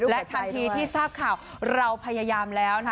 และทันทีที่ทราบข่าวเราพยายามแล้วนะคะ